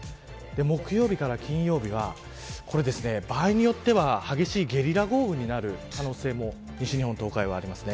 木曜日から金曜日は場合によっては激しいゲリラ豪雨になる可能性も西日本、東海はあります。